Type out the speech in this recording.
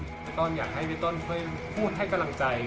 ตอนอยากให้เวทต้นเพื่อพูดให้กำลังใจ